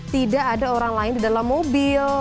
tidak ada orang lain di dalam mobil